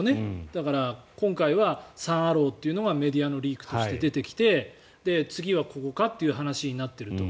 だから、今回はサン・アローというのがメディアのリークとして出てきて次はここかという話になっていると。